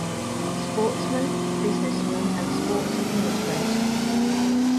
Sportsman, businessman and sports administrator.